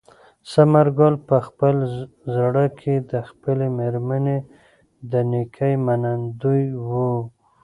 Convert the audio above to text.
ثمر ګل په خپل زړه کې د خپلې مېرمنې د نېکۍ منندوی و.